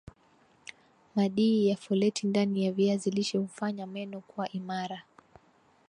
madii ya foleti ndani ya viazi lishe hufanya meno kuwa imara